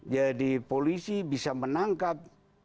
jadi polisi bisa menangkap